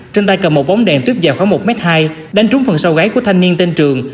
trên tay cầm một bóng đèn tuyếp dài khoảng một m hai đánh trúng phần sau gáy của thanh niên tên trường